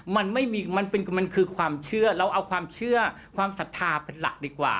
มันไม่มีมันคือความเชื่อเราเอาความเชื่อความศรัทธาเป็นหลักดีกว่า